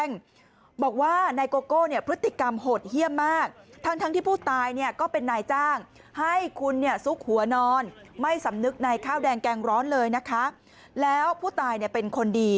แน่นอนไม่สำนึกในข้าวแดงแกงร้อนเลยนะคะแล้วผู้ตายเนี่ยเป็นคนดี